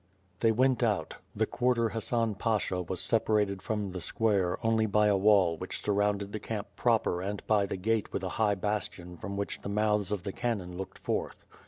They went out: the quarter Hassan Pasha was separated WITH FtRE AND SWORD. 1^^ from the square only by a wall which surrounded the camp proper and by the gate with a high bastion from which the mouths of the cannon looked forth.